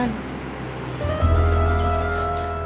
pengangguran new skin dan lemah iman